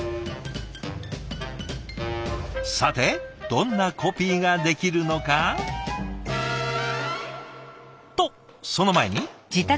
さてどんなコピーができるのか？とその前に。